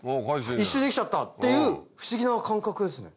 １周できちゃったっていう不思議な感覚ですね。